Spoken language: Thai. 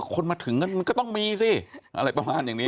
คนมาถึงมันก็ต้องมีสิอะไรประมาณอย่างนี้